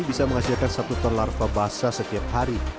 bisa menghasilkan satu ton larva basah setiap hari